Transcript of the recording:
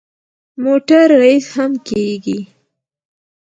موټر ریس هم کېږي.